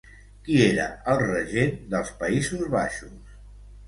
Qui era el regent dels Països Baixos?